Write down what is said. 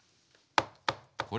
これ？